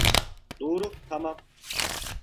Doğru, tamam.